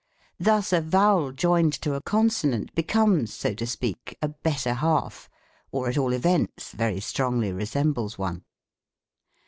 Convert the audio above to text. Thus a vowel joined to a consonant becomes, so to speak, a " better half:" or at all events very strongly resembles one.